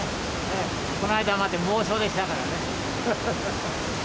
この間まで猛暑でしたからね。